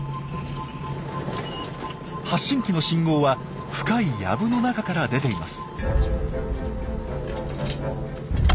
発信機の信号は深い藪の中から出ています。